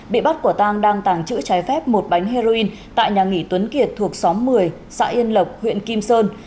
bị bắt quả tang đang tàng trữ trái phép một bánh heroin tại nhà nghỉ tuấn kiệt thuộc xóm một mươi xã yên lộc huyện kim sơn